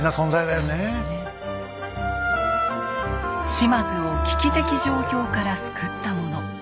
島津を危機的状況から救ったもの。